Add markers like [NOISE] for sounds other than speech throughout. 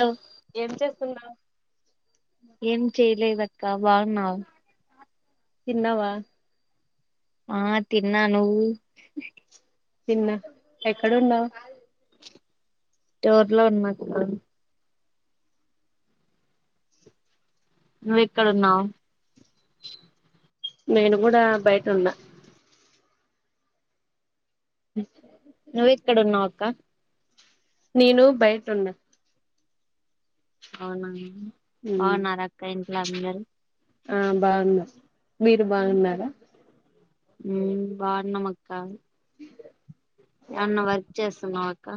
Hello ఏం చేస్తున్నావ్ ఏం చేయలేదాక్క. అక్క బాగున్నావా. తిన్నవా. ఆహ్ తిన్నా నువ్వు. చిన్న ఎక్కడ ఉన్నావు. చోర్లా ఉన్ మాన్. నువ్వు ఎక్కడ ఉన్నావు. నేను కూడా బయట ఉన్నా. నువ్వు ఎక్కడ ఉన్నావక్క. నువ్వు బయట ఉండటం. అవునా బాగున్నారా అక్క ఇంట్లో అందరూ. ఆహ్ బాగున్నా మీరు బాగున్నారా. ఉమ్ బావున్నమక్కా. ఆహ్ నువ్వు వర్క్ చేస్తున్నావా అక్క.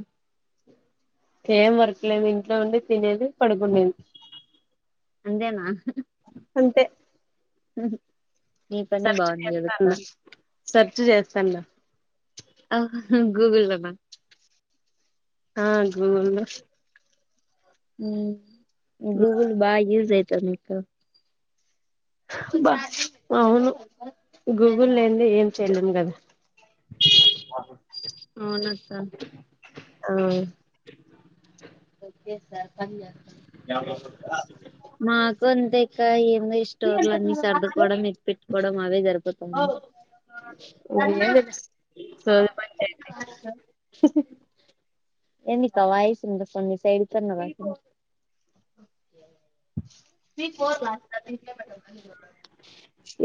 ఏం వర్క్లేదు ఇంట్లో ఉండి తినేది పడుకునేది. నేనా. అంతే. నీ పనే బాగుంది కదాక్క. చేస్తాన్లా. ఆహ్ గూగుల్ లనా. ఆహ్ గూగుల్లో. ఉమ్ గూగుల్ బాగా యూజ్ అయితది నీకు. బా అవును గూగుల్ లేంది ఏం చేయలేం గదా ఫోను వత్తాంది ఆ ఓకే సార్ పని మాకు అంతే ఇంకా ఏ ఈ స్టోర్లు అన్ని సర్దుకోవడం ఎక్ పెట్టుకోవడం అవే జరుపుతాంది ఏం లేదు, సోది పని చేయాలి. ఎన్నికా వాయిసు వినిపిస్త సైడ్ కన్న రా మీ కో రా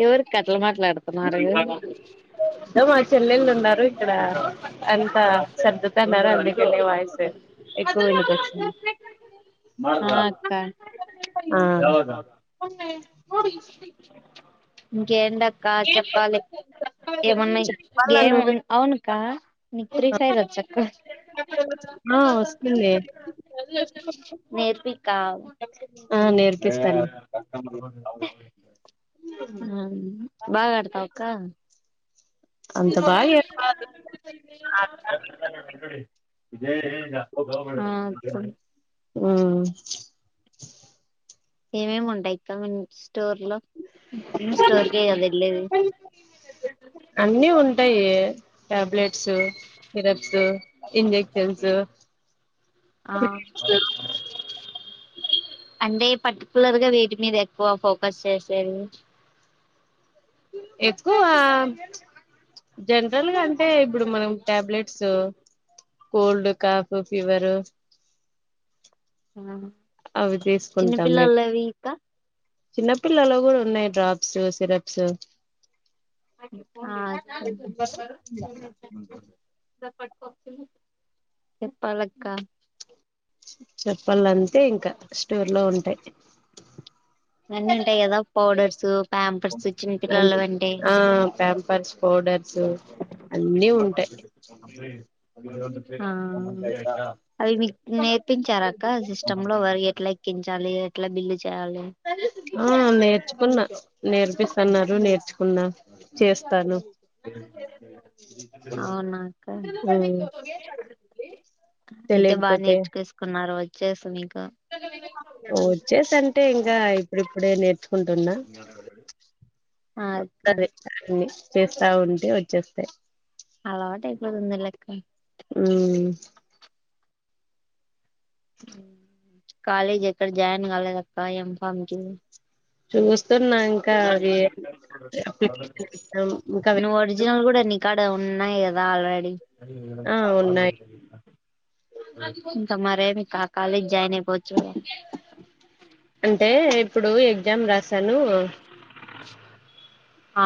ఎవరికి అట్లా మాట్లాడుతున్నారు మా చెల్లెల్లు ఉన్నారు ఇక్కడ అంత సర్దుతాన్నారు అండి ఇక్కడ వాయిస్ ఎక్కువ వెళ్ళపోచ్చు ఆ అక్క ఆ ఇంకేంటక్క చెప్పాలి ఏమన్నా చెప్పాలా గేమ్ నువ్వేమో అవును కా మీకు ఫ్రీఫైరు వచక్క వస్తుంది నేర్పికా ఆ నేర్పిస్తాను హ బాగ ఆడతావ అక్క అంత బాగా మ ఆ అప్పుడు ఊ ఏమేమి ఉంటాయి ఇక్క స్టోర్లో స్టోర్కె కద వెళ్లేది అన్నీ ఉంటాయి టాబ్లెట్ సిరబ్సు ఇంజెక్షన్స్ ఆ అంటే పర్టికులర్ గా వేటి మీద ఎక్కువ ఫోకస్ చేసేది ఎక్కువ జనరల్ గా అంటే ఇప్పుడు మనం టాబ్లెట్స్ కోల్డ్ కాఫ్ ఫీవర్ అవి తీసుకుంటాము చిన్నపిల్లలవి ఇకా చిన్నపిల్లలో కూడా ఉన్నాయి డ్రాప్స్ సిరప్స్ ఆ పట్టుకో చెప్పాలక్క చెప్పలంతే ఇంకా స్టోర్లో ఉంటయ్ అన్నీ ఉంటాయి కదా పౌడర్స్ ప్యాంపర్స్ చిన్నపిల్లల అంటే డర్స్ అన్నీ ఉంటాయి అప్పుడే ఆ అది మీక్ నేర్పించార అక్క సిస్టమ్లో వరి ఎట్లా ఎ చాలి ఎట్లా బిల్లు చేయాలి ఆ నేర్చుకున్నా నేర్పిస్తన్నారు నేర్చుకున్నా చేస్తాను అవునాక్క ఉమ్ అయితే బాగా నేర్చుకేసుకున్నారు వచ్చేసి మీకు వచ్చేసింటే ఇంకా ఇప్పుడిప్పుడే నేర్చుకుంటు తిన్న ఆ అక్క అన్ని చేస్తా ఉంటే వ చెస్తే అలవాటు అయిపోతుంది లెక్క ఆ కాలేజీ ఎక్కడ జాయిన్ కాలేదక్క ఏం ఫామ్కి చూస్తన్నా ఎగ్జామ్ ఇంకా వే నువ్ ఒరిజినల్ కూడా ని ఇక్కడ ఉన్నాయి కదా ఆల్రెడీ ఆ ఉన్నాయి మరే ఇంకాకాలేజ్ జాయిన్పోవచ్చుకదా అంటే ఇప్పుడు ఎగ్జామ్ రాసాను ఆ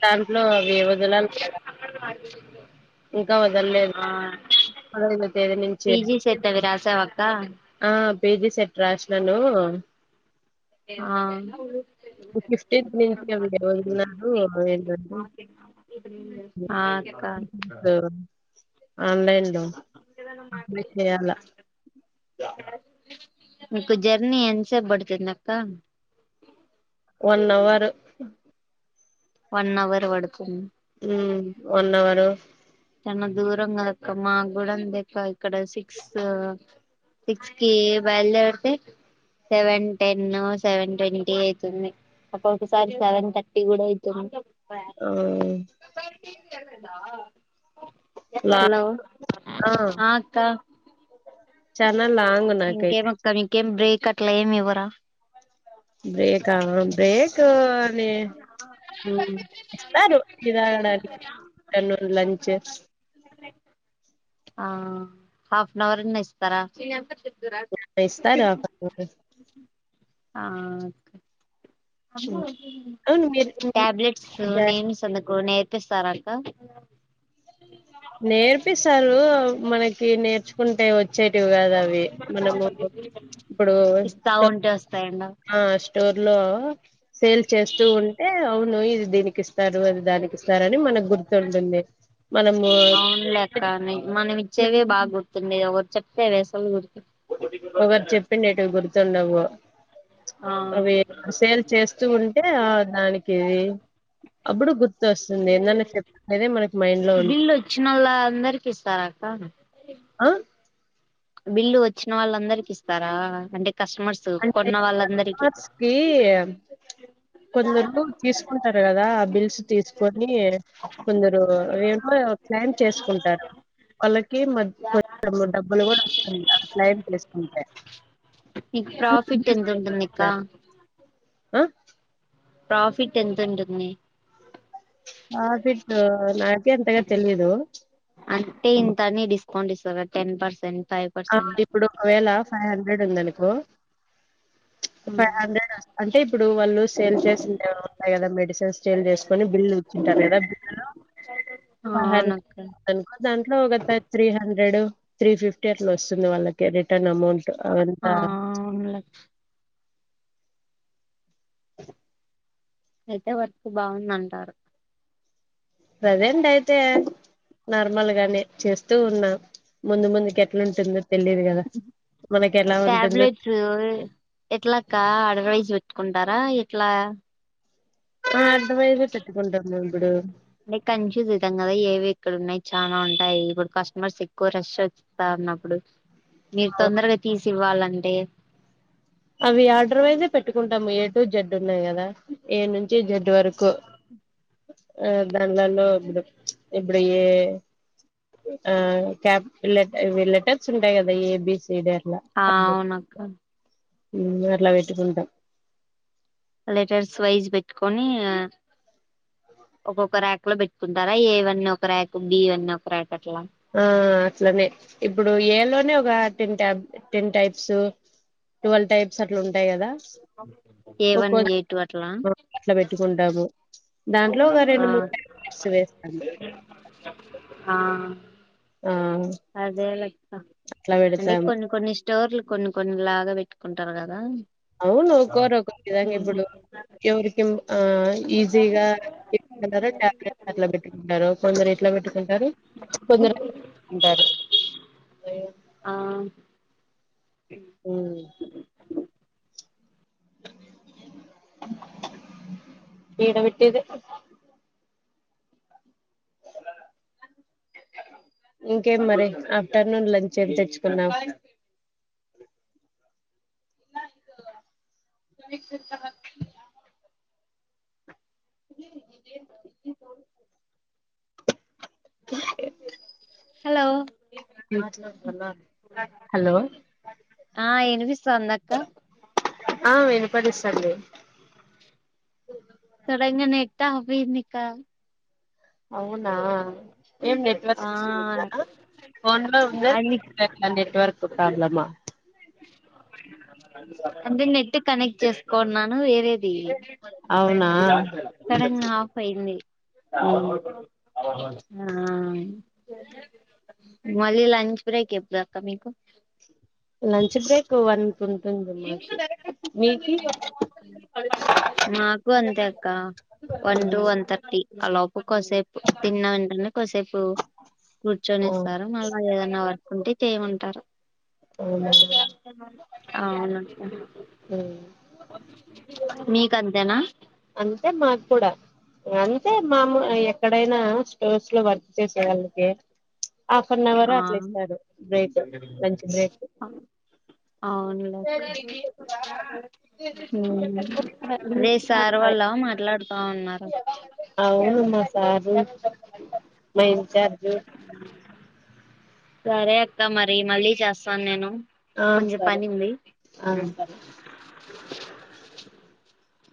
దాంట్లో అవి వొదల్లకదా ఆ పదహైదో తేదీ నుంచి పిజీ సేటది రాశావక్క ఆ పేజీ సెట్ రాస్నాను ఆ ఇప్పుడు ఫిఫ్టీన్త్ నుంచి అవి వన్నారు అవివని ఆ అక్క ఆన్లైన్ లో ఏదైనా అప్లై మాట్లాడితే చేయాల మాట్లాడు క్యాస్వాల్ గా మీకు జర్నీ ఎంతసేప్ పడుతుందాక్క వన్ అవరు వన్ అవర్ పడుతుంద మ్మ్ వన్ అవర్ చన్న దూరం కదక్క మా గుూడ అంతేక్క ఇక్కడ సిక్స్ సిక్స్కిి బైల్ధెర్తే సెవెన్ టెన్ సెవెన్ ట్వంటీ అయితుంది ఒక్కొక సారి సెవెన్ థర్టీ కూడా ఐతుంది ఆ లా హలో ఆ ఆక్క చానా లాంగ్ నాకైతే ఇంకేమక్క నీకేం బ్రేక్ అట్లా ఏమ్ ఇవ్వరా బ్రేకా బ్రేకు నే హ్మ్ కాదు ఇవ్వడానికి నెల్లూరు లంచ్ ఆ హాఫ్హౌవర్ అయిన ఇస్తారా రెండిస్తారు ఒకపుటే ఆ అక్క అవును మీరు టాబ్లెట్స్ నేమ్స్ అందుకు నేర్పిస్తారాకా నేర్పిస్తారు మనకి నేర్చుకుంటే వచ్చే టి కాదు అవి మనము ఇప్పుడు ఇస్తా టో ఉంటే వస్తాయంట ఆ స్టోర్ లో సేల్ చేస్తూ ఉంటే అవును ఇది దీనికి ఇస్తారు అది దానికి ఇస్తారు అని మనకు గుర్తుంటుంది మనము అవునులేక్కనీ మనం ఇచ్చేదే బా గుర్తుంది ఎవరి చెప్పేదాసల్ ఓరు ఒకర్ చెప్పిండేటివి గుర్తుండవు ఆ అవి సేల్ చేస్తూ ఉంటే ఆ దానికిది అప్పుడు గుత్ వస్తుంది ఏందన్నా చెప్పదే మనకి మైండ్ లో ఉంటుంది బిల్లు వచ్చిన వాళ్ళ అందరికి ఇస్తారా అక్క ఆ బిల్లు వచ్చిన వాళ్ళ అందరికి ఇస్తారా అంటే కస్టమర్స్ అంటే కొన్న వాళ్ళందరికి [UNINTELLIGIBLE] కి కొందరు తీసుకుంటారు కదా ఆ బిల్స్ తీసుకొని కొందరు ఏ క్లాం చేసుకుంటారు వాళ్ళకి మరి డబ్ కూడా వస్తుంది అ క్లాం తెసుకుంటే మీక్ ప్రాఫిట్ ఎంత ఉంటందిక్క ఆ ప్రాఫిట్ ఎంతుంటుంది ఆదిట్టు నాకే అంతగా తెలిదు అంటే ఇంతనే డిస్కౌంట్ ఇస్తార టెన్ పర్సెంట్ ఫైవ్ ఆ పర్సెంట్ ఇప్పుడు ఒకవేళ ఫైవ్ హండ్రెడ్ ఉందనుకో ఫైవ్ హండ్రెడ్ అంటే ఇప్పుడు వాళ్ళు సేల్ చేసిఉండేవాళ్లు కదా మెడిసిన్ సేల్ చేసుకుని బిల్ఇచ్చుంటారు కదా బిల్ ఫైవ్ హండ్రెడ్ అవునక్క అనుకో దాంట్లో ఒకత త్రీ హండ్రెడ్ త్రీ ఫిఫ్టీ అట్లా వస్తుంది వాళ్ళకి రిటర్న్ అమౌంట్ అంత ఆ అవునులే అయితే వరకు బాగుందంటారు ప్రెసెంట్ అయితే నార్మల్ గానే చేస్తూ ఉన్నాం ముందు ముందుకి ఎట్లాంటుందో తెలియదు కదా మనకి ఎలా ఉంటుందో ట్యాబ్లెట్స్ ఎట్లాకా ఆర్డరవైస్ పెట్కుంట ంటారా ఎట్లా ఆ ఆర్డరవైజే పెట్టుకుంటాం మేమిపుడు అంటే కన్ఫ్యూజ్ అవుతాం కదా ఏవి ఇక్కడ ఉన్నాయి చాలా ఉంటాయి ఇప్పుడు కస్టమర్స్ ఎక్కువ రెష్ వస్తా ఉన్నప్పుడు మీరు తొందరగా తీసి ఇవ్వాలంటే అవి ఆర్డర్ వైజే పెట్టుకుంటాము ఏ టు జడ్డు ఉన్నాయి కదా ఏ నుంచి జడ్ వరకు ఆ దానిలలో ఇప్పుడు ఇప్పుడే ఆ క్యాప్ ల లెటర్స్ ఉంటాయి కదా ఎబి సి డి అట్ ఆ అవ్వునాక ముందు అట్లా పెట్టుకుంటాం లెటర్స్ వైజ్ పెట్టుకొని ఆ ఒక్కొక్క ర్యాకులో పెట్టుకుంటారా ఏ వన్ ఒక ర్యాకు బి వన్ ఒక ర్యాక్ అట్లా ఆ అట్లనే ఇప్పుడు ఏ లోనే ఒక ten tub ten types twelve types అట్లుంటై కదా ఏ వన్ ఎ టు అట్లా కుంటాదో దాంట్లో ఒక రెండు ఆ మూడుస్ వేస్తాను అదేలెక్క అట్లా అంటే పెడతాము కొన్ని కొన్ని ష్టోర్లు కొన్ని కొన్ని లాగా పెట్టుకుంటారు కదా అవును ఓక్కోరు ఓక్కో విధంగా ఇప్పుడు ఎవర్కిం ఆ ఈజీగా కొందరు టాబ్లెట్ అట్లా పెట్టుకుంటారు కొందరు ఎట్లా పెట్టుకుంటారు కొందరు ఆ మ్ వీడ పెట్టిది అ ఇంకేం మరి ఆఫ్టర్నూన్ లంచ్ ఏం తెచ్చుకున్నావ్ అ హలో హలో ఆ వినిపిస్తోందా అక్క ఆ వినపడిస్తాంది త మీనిక అవునా ఏం నెట్వర్క్ ఆ సిస్ందా పోన్లో అది నెట్వర్క్ ప్రాబ్లమా అంటే నెట్ కనెక్ట్ చేసుకున్నాను వేరేది అవునా! సడన్ గా ఆఫ్ అయింది ఆ హ్మ్. మళ్ళీ లంచ్ బ్రేక్ ఎప్పుడు అక్క మీకు లంచ్ బ్రేకు వన్ కు ఉంటుందిమ్మా మాకు అంతే అక్క వన్ టు ఉమ్ వన్ థర్టీ కొసేపు తిన్నా వెంటనే కొసేపు కూర్చొనిస్తారు మళ్ళా ఏదన్నా వర్కు ఉంటే చేయమంటారు అవును ఉమ్ అక్క మీకు అంతేనా అంతే మాక్కూడా అంతే మాము ఎక్కడైనా స్టోర్స్ లో వర్క్ చేసేవాళ్ళకి హాఫ్ అన్ అవర్ ఆ అట్లా ఇస్తాడు బ్రేక్ లంచ్ బ్రేక్ అవునులే ఉ ఉన్నారు అవునుమ్మా సారు మా ఇన్ చార్జు సరే అక్క మరి మళ్ళీ చేస్తాను నేను ఆ కొంచం సరే పని ఉంది ఆ సరే